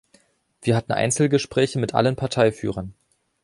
Wir hatten Einzelgespräche mit allen Parteiführern.